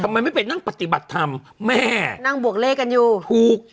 ทำไมไม่ไปนั่งปฏิบัติธรรมแม่นั่งบวกเลขกันอยู่ถูก